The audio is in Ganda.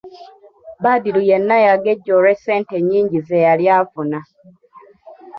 Badru yenna yagejja olw'essente ennyingi ze yali afuna.